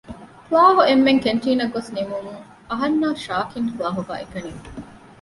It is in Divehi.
ކުލާހުގެ އެންމެން ކެންޓީނަށް ގޮސް ނިމުމުން އަހަންނާ ޝާކިން ކުލާހުގައި އެކަނިވި